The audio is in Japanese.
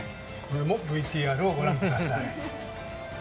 ＶＴＲをご覧ください。